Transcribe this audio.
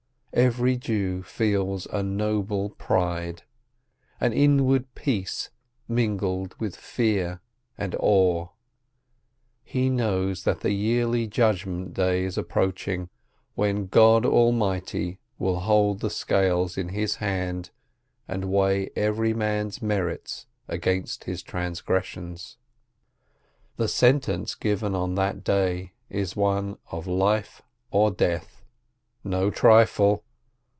Every Jew feels a noble pride, an inward peace mingled with fear and awe. He knows that the yearly Judgment Day is approaching, when God Almighty will hold the scales in His hand and weigh every man's merits against his transgressions. The Lentence given on that day is one of life or death. No trifle